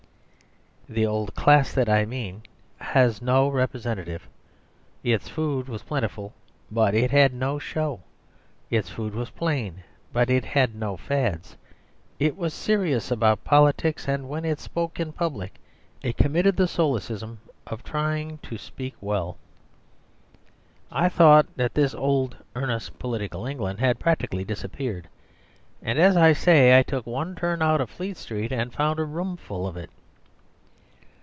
The old class that I mean has no representative. Its food was plentiful; but it had no show. Its food was plain; but it had no fads. It was serious about politics; and when it spoke in public it committed the solecism of trying to speak well. I thought that this old earnest political England had practically disappeared. And as I say, I took one turn out of Fleet Street and I found a room full of it.